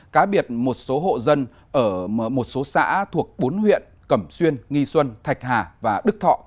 cá biệt một số hộ dân ở một số xã thuộc bốn huyện cẩm xuyên nghi xuân thạch hà và đức thọ